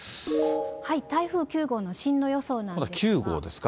台風９号の進路予想なんですが。